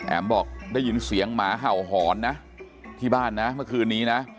บอกได้ยินเสียงหมาเห่าหอนนะที่บ้านนะเมื่อคืนนี้นะ